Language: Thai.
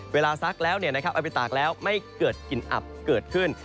เวลาซักแล้วเนี่ยนะครับเอาไปตากแล้วไม่เกิดกลิ่นอับเกิดขึ้น